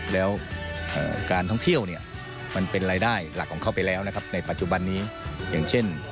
แล้วการท่องเที่ยวเนี่ยมันเป็นรายได้หลักของเขาไปแล้วนะครับในปัจจุบันนี้อย่างเช่น